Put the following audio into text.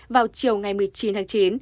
vào chiều ngày một mươi chín tháng chín